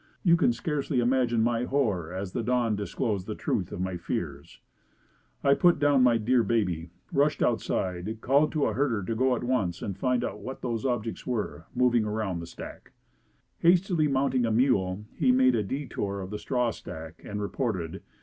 You can scarcely imagine my horror as the dawn disclosed the truth of my fears. I put down my dear baby rushed outside called to a herder to go at once and find out what those objects were, moving about the stack. Hastily mounting a mule he made a detour of the straw stack and reported.